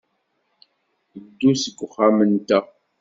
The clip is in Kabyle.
Ddu seg uxxam-nteɣ.